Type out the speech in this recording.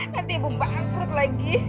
nanti ibu bangkrut lagi